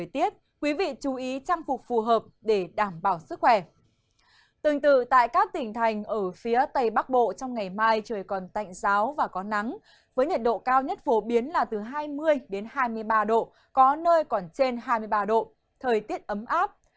tương tự tại các tỉnh thành ở phía tây bắc bộ trong ngày mai trời còn tạnh giáo và có nắng với nhiệt độ cao nhất phổ biến là từ hai mươi hai mươi ba độ có nơi còn trên hai mươi ba độ thời tiết ấm áp